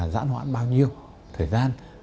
giãn hoãn bao nhiêu thời gian